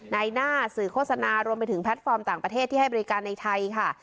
ในหน้าสื่อโฆษณารวมไปถึงแพลตฟอร์มต่างประเทศที่ให้บริการในไทยค่ะ